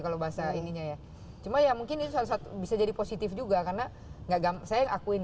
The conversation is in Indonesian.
kalau bahasa ininya ya cuma ya mungkin itu salah satu bisa jadi positif juga karena enggak saya ngakuin